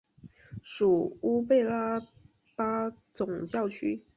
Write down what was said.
属乌贝拉巴总教区。